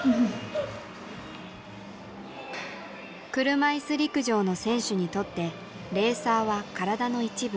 車いす陸上の選手にとってレーサーは体の一部。